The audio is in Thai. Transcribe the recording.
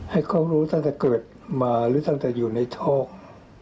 ให้เขารู้ตั้งแต่เกิดมาหรือตั้งแต่อยู่ในโชค